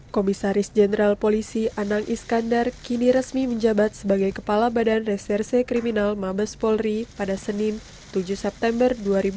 komisaris jenderal polisi anang iskandar kini resmi menjabat sebagai kepala badan reserse kriminal mabes polri pada senin tujuh september dua ribu dua puluh